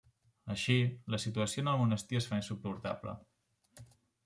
Així, la situació en el monestir es fa insuportable.